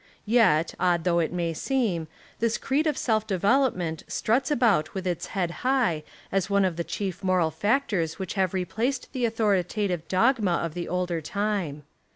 Yet, odd though it may seem, this creed of self develop ment struts about with its head high as one of the chief moral factors which have replaced the authoritative dogma of the older time.